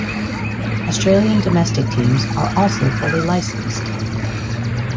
Australian domestic teams are also fully licensed.